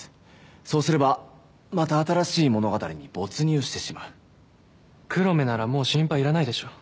そうすればまた新しい物語に没入してしまう黒目ならもう心配いらないでしょ